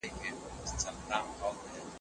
زه پرون قلم استعمالوموم وم